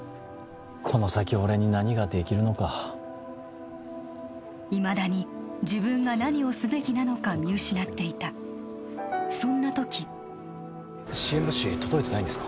この先俺に何ができるのかいまだに自分が何をすべきなのか見失っていたそんなとき支援物資届いてないんですか？